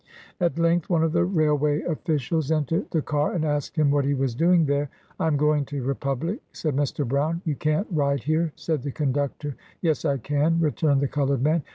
At length, one of the railway officials entered the car, and asked him what he was doing there. "I am going to Republic," said Mr. Brown. "You can't ride here," said the conductor. " Yes I can," returned the colored man.